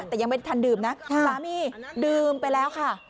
แต่ยังไม่ทันดื่มนะสามีดื่มไปแล้วค่ะ